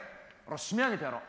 締め上げてやろう。